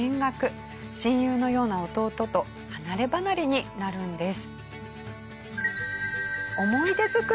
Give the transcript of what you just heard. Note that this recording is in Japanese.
親友のような弟と離ればなれになるんです。